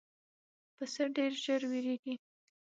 پسه ډېر ژر وېرېږي.